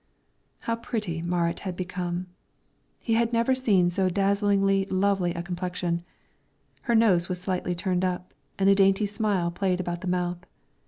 How pretty Marit had become! He had never seen so dazzlingly lovely a complexion; her nose was slightly turned up, and a dainty smile played about the mouth.